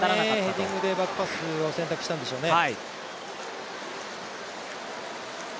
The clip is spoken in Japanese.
ヘディングでバックパスを選択したんでしょうね。